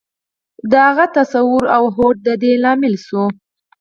د هغه تصور او هوډ د دې لامل شول.